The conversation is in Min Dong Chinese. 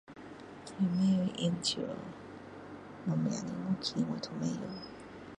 什么乐器我都不会